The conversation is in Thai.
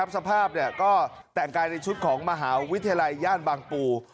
สภาพก็แต่งกายในชุดของมหาวิทยาลัยย่านบางปู